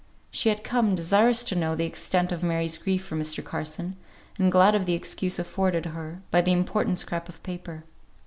She had come, desirous to know the extent of Mary's grief for Mr. Carson, and glad of the excuse afforded her by the important scrap of paper.